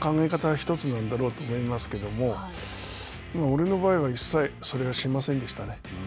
１つなんだろうと思いますけども、俺の場合は、一切それはしませんでしたね。